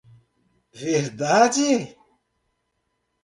Verdade?